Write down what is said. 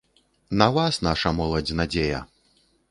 На вас, наша моладзь, надзея!